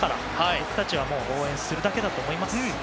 僕たちは応援するだけだと思います。